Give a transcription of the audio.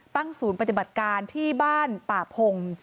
ศูนย์ปฏิบัติการที่บ้านป่าพง